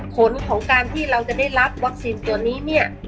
ผลของการที่เราจะได้รับวัคซีนตัวนี้เนี่ย